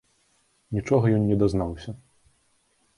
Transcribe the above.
Нічога ён не дазнаўся.